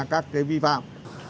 các cái vi phạm